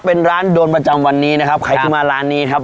เป็นร้านโดนประจำวันนี้นะครับใครที่มาร้านนี้ครับ